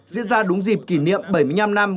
diễn ra đúng dịp kỷ niệm bảy mươi năm năm